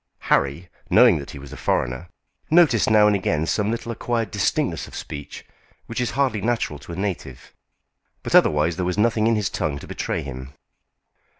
Harry, knowing that he was a foreigner, noticed now and again some little acquired distinctness of speech which is hardly natural to a native; but otherwise there was nothing in his tongue to betray him.